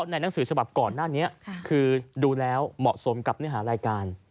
หนังสือฉบับก่อนหน้านี้คือดูแล้วเหมาะสมกับเนื้อหารายการ